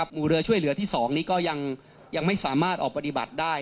หมู่เรือช่วยเหลือที่๒นี้ก็ยังไม่สามารถออกปฏิบัติได้